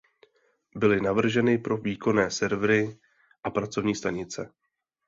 Byly navrženy pro výkonné servery a pracovní stanice.